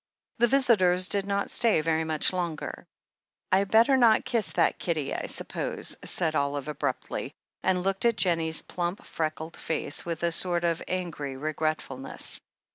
The visitors did not stay very much longer. "I'd better not kiss that kiddie, I suppose," said Olive abruptly, and looked at Jennie's plump, freckled face with a sort of angry regretfulness.